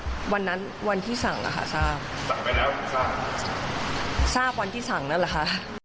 ทราบวันที่สั่งนั่นแหละค่ะ